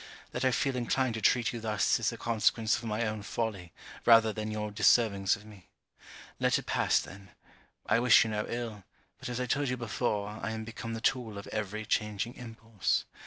That I feel inclined to treat you thus is the consequence of my own folly, rather than your deservings of me. Let it pass then. I wish you no ill, but as I told you before, I am become the tool of every changing impulse.